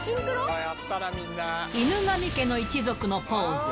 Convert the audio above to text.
犬神家の一族のポーズ。